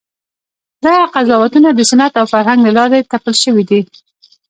دغه قضاوتونه د سنت او فرهنګ له لارې تپل شوي دي.